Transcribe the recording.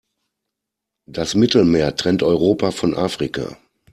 Das Mittelmeer trennt Europa von Afrika.